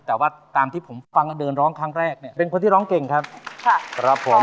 แต่ว่าตามที่ฟังไปเหมือนคนที่เราลองจะเร่น